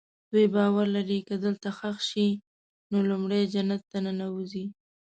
دوی باور لري که دلته ښخ شي نو لومړی جنت ته ننوځي.